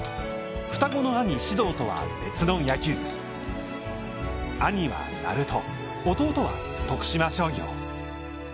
双子の兄・至憧とは別の野球部兄は鳴門、弟は徳島商業。